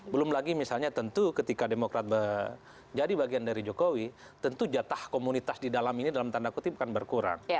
belum lagi misalnya tentu ketika demokrat jadi bagian dari jokowi tentu jatah komunitas di dalam ini dalam tanda kutip akan berkurang